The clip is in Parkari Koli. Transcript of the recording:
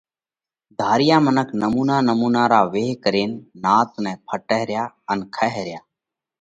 ڌاريا منک نمُونا نمُونا را ويه ڪرينَ نات نئہ ڦٽئه ريا ان کائه ريا۔